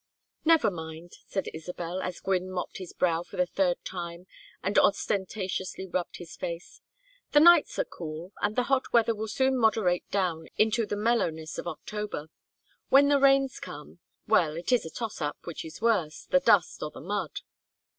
"Never mind," said Isabel, as Gwynne mopped his brow for the third time and ostentatiously rubbed his face. "The nights are cool and the hot weather will soon moderate down into the mellowness of October. When the rains come well it is a toss up, which is worse the dust or the mud."